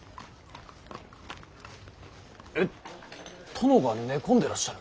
殿が寝込んでいらっしゃる？